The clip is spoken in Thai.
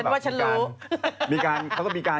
เพราะว่าตอนนี้ก็ไม่มีใครไปข่มครูฆ่า